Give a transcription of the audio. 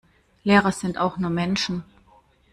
Lehrer sind auch nur Menschen.